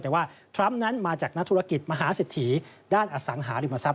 แต่ว่าทรัมป์นั้นมาจากนักธุรกิจมหาเศรษฐีด้านอสังหาริมทรัพ